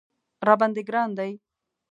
راباندې ګران دی